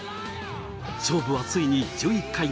勝負はついに１１回目。